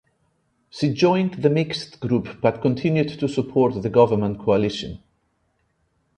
She joined the Mixed Group but continued to support the government coalition.